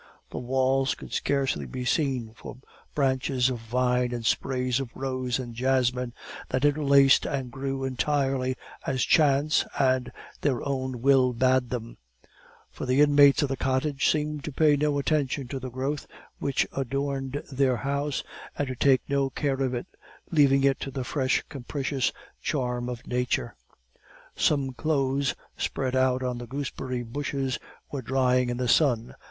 The walls could scarcely be seen for branches of vine and sprays of rose and jessamine that interlaced and grew entirely as chance and their own will bade them; for the inmates of the cottage seemed to pay no attention to the growth which adorned their house, and to take no care of it, leaving to it the fresh capricious charm of nature. Some clothes spread out on the gooseberry bushes were drying in the sun.